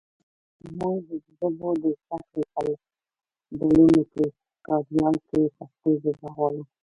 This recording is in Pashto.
مونږ د ژبو د زده کړې په ډولونګو کاریال کې پښتو ژبه غواړو